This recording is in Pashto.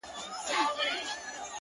او دده اوښكي لا په شړپ بهيدې ـ